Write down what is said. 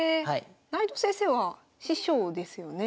内藤先生は師匠ですよね。